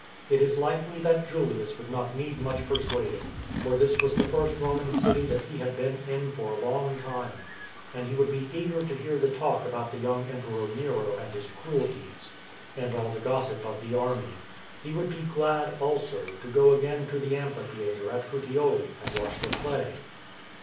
It is likely that Julius would not need much persuading, for this was the first Roman city that he had been in for a long time, and he would be eager to hear the talk about the young Emperor Nero and his 341 342 FINISHING THE COURSE cruelties; and all the gossip of the army. He would be glad, also, to go again to the amphitheatre at Puteoli and watch the play.